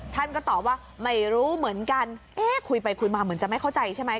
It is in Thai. ท่านก็ตอบว่าไม่รู้เหมือนกันเอ๊ะคุยไปคุยมาเหมือนจะไม่เข้าใจใช่ไหม